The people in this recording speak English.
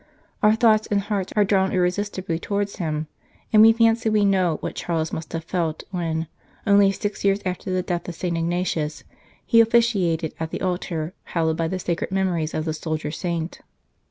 Our thoughts and hearts are drawn irresistibly towards him, and we fancy we know what Charles must have felt when, only six years after the death of St. Ignatius, he officiated at the altar hallowed by sacred memories of the soldier saint.